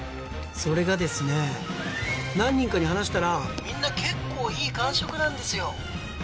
それがですね何人かに話したらみんな結構いい感触なんですよ